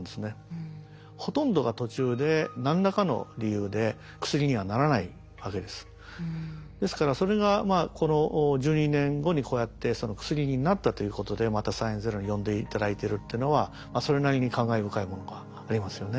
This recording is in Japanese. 統計的にはですからそれがこの１２年後にこうやって薬になったということでまた「サイエンスＺＥＲＯ」に呼んで頂いてるっていうのはそれなりに感慨深いものがありますよね。